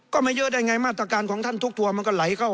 ก็ไม่เยอะได้ไงมาตรการของท่านทุกทัวร์มันก็ไหลเข้า